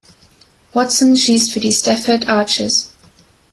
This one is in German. Watson schießt für die "Stafford Archers".